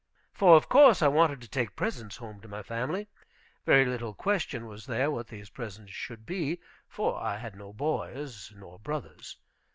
For, of course, I wanted to take presents home to my family. Very little question was there what these presents should be, for I had no boys nor brothers.